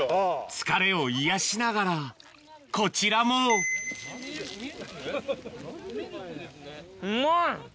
疲れを癒やしながらこちらもうまい！